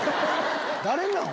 誰なん？